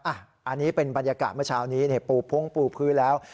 อันนี้เป็นบรรยากาศเมื่อเช้านี้ปูพงปูพื้นแล้ว